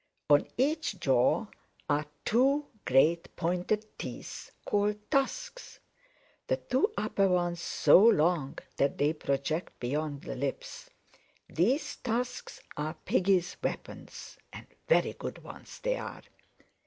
On each jaw are two great pointed teeth called tusks, the two upper ones so long that they project beyond the lips. These tusks are Piggy's weapons, and very good ones they are.